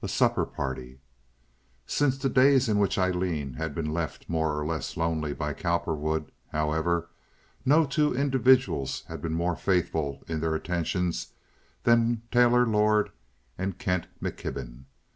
A Supper Party Since the days in which Aileen had been left more or less lonely by Cowperwood, however, no two individuals had been more faithful in their attentions than Taylor Lord and Kent McKibben.